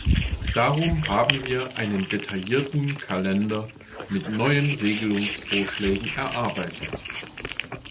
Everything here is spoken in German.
Darum haben wir einen detaillierten Kalender mit neuen Regelungsvorschlägen erarbeitet.